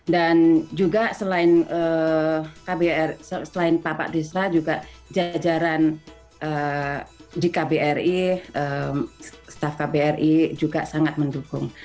dan juga selain kbri selain bapak diserah juga jajaran di kbri staff kbri juga sangat mendukung